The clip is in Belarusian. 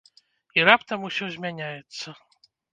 І раптам усё змяняецца.